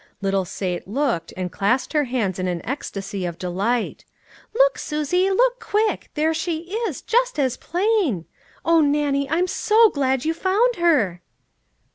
Little Sate looked, and clasped her hands in an ecstacy of delight :" Look, Susie, look, quick! there she is, just as plain! O Nannie ! I'm so glad you found her."